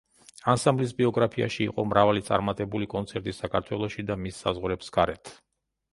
ანსამბლის ბიოგრაფიაში იყო მრავალი წარმატებული კონცერტი საქართველოში და მის საზღვრებს გარეთ.